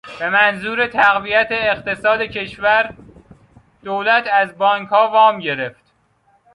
به منظور تقویت اقتصاد کشور، دولت از بانکها وام گرفت.